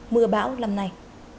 mưa bão lần này